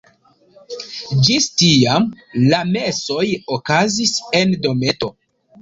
Ĝis tiam la mesoj okazis en dometo.